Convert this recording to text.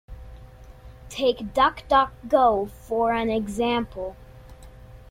Take DuckDuckGo for an example.